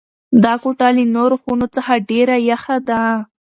دا کوټه له نورو خونو څخه ډېره یخه ده.